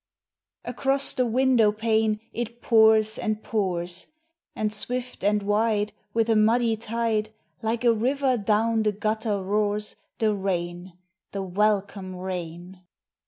Across the window pane It pours and pours; Aud swift and wide, With a muddy tide, Like a river down the gutter roars The rain, the welcome rain